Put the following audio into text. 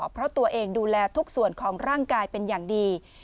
เพราะตัวเองดูแลทุกส่วนของร่างกายเป็นอย่างดี